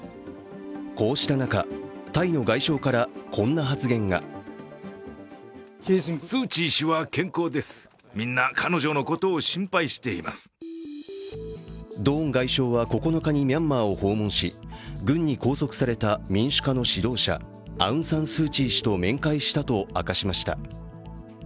こうした中、タイの外相からこんな発言がドーン外相は９日にミャンマーを訪問し軍に拘束された民主化の指導者アウン・サン・スー・チー氏と面会したと明かしました。